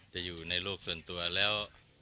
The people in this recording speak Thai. จะอยู่ในโลกส่วนตัวแล้ว